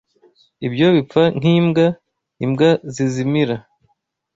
Ibyo bipfa nk'imbwa, imbwa zizimira